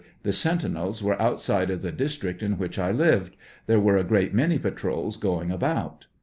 The sentinels were outside of the district in which I lived ; there were a great many patrols going about.